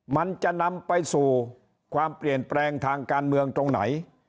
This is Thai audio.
มันจะนำไปสู่ความเปลี่ยนแปลงทางการเมืองตรงไหน